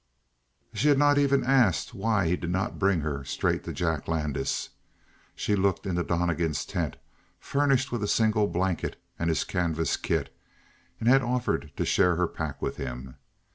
She had not even asked why he did not bring her straight to Jack Landis. She had looked into Donnegan's tent, furnished with a single blanket and his canvas kit, and had offered to share her pack with him.